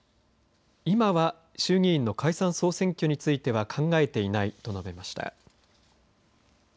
今は衆議院の解散・総選挙については考えていないと述べました。